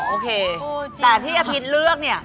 โอเคแต่ที่อภิษเลือกเนี่ย